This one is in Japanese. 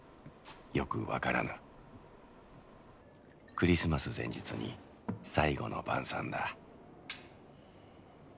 クリスマス前日に最後の晩餐だ」。